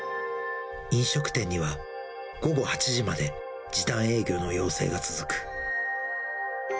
飲食店には午後８時まで、時短営業の要請が続く。